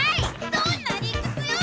どんな理くつよ！